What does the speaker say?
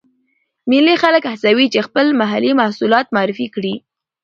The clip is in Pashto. مېلې خلک هڅوي، چې خپل محلې محصولات معرفي کړي.